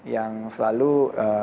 yang selalu menariknya